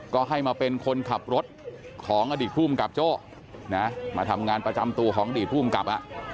ก็ให้มาเป็นคนขับรถของอดีตภูมิกับโจ้นะมาทำงานประจำตัวของอดีตภูมิกับ